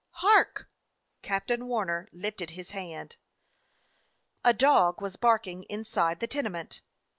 "Hark!" Captain Warner lifted his hand. A dog was barking inside the tenement.